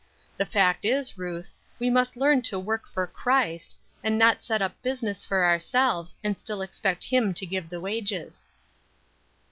The fact is, Ruth, we must learn to work for Christ, and not set up business for ourselves, and still expect him to give the wages."